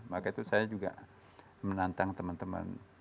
maka itu saya juga menantang teman teman